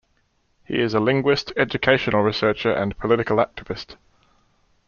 He is a linguist, educational researcher, and political activist.